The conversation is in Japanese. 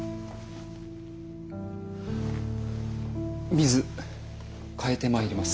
水替えてまいります。